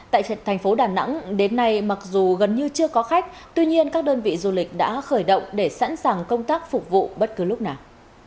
tại thành phố đà nẵng đến nay mặc dù gần như chưa có khách tuy nhiên các đơn vị du lịch đã khởi động để sẵn sàng công tác phục vụ bất cứ lúc nào